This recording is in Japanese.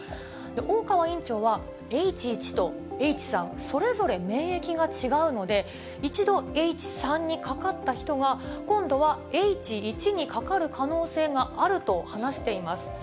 大川院長は、Ｈ１とＨ３、それぞれ免疫が違うので、一度Ｈ３にかかった人が、今度はＨ１にかかる可能性があると話しています。